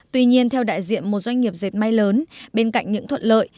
tuy nhiên theo đại diện một doanh nghiệp dệt may lớn bên cạnh những thuận lợi